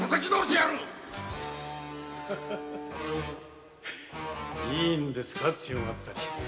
ハハハいいんですか強がったりして。